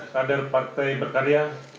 kader partai berkarya